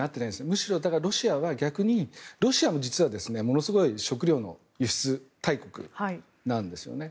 むしろ、ロシアも実はものすごい食料の輸出大国なんですよね。